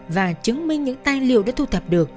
và chứng minh những tài liệu đã thu thập được